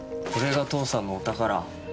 これが父さんのお宝。